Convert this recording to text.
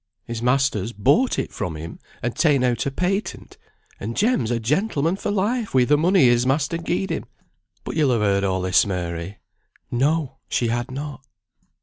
His master's bought it from him, and ta'en out a patent, and Jem's a gentleman for life wi' the money his master gied him. But you'll ha' heard all this, Mary?" No! she had not.